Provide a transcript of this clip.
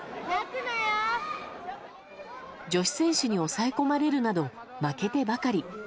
女子選手に抑え込まれるなど負けてばかり。